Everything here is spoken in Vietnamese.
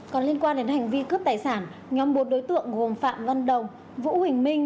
còn liên quan đến hành vi cướp tài sản nhóm bốn đối tượng gồm phạm văn đồng vũ huỳnh minh